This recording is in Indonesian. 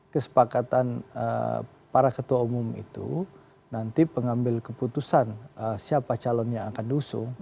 kesepakatan para ketua umum itu nanti pengambil keputusan siapa calonnya akan dusung